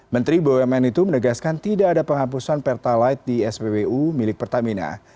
menteri bumn itu menegaskan tidak ada penghapusan pertalite di spbu milik pertamina